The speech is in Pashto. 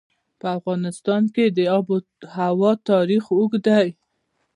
په افغانستان کې د آب وهوا تاریخ اوږد دی.